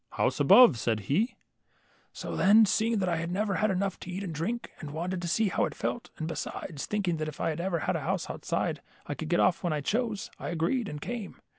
^ House above,' said he. 36 LITTLE HANS. So then, seeing that I had never had enough to eat and drink, and wanted to see how it felt, and besides, thinking that if I could have a house outside I could get off when I chose, I agreed and came.